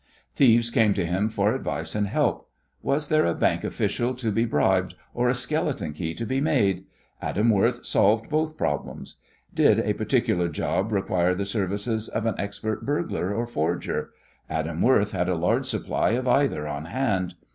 Thieves came to him for advice and help. Was there a bank official to be bribed or a skeleton key to be made? Adam Worth solved both problems. Did a particular job require the services of an expert burglar or forger? Adam Worth had a large supply of either on hand.